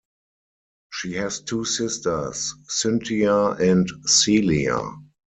She has two sisters, Cynthia and Celia.